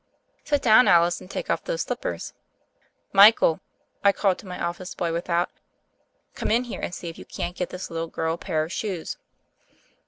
"Sit down, Alice, and take off those slip pers. "Michael," I called to my office boy without, "come in here and see if you can't get this lit tle girl a pair of shoes."